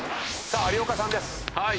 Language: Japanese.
さあ有岡さんです。